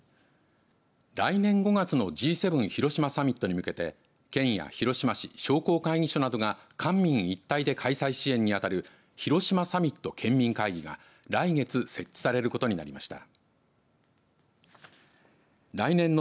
来年５月のＧ７広島サミットに向けて県や広島市商工会議所などが官民一体で開催支援を行う広島サミット県民会議が来月設置されることになりました。